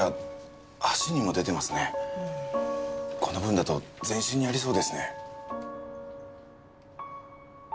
この分だと全身にありそうですね。